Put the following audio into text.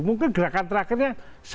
mungkin gerakan terakhirnya